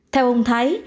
theo ông thái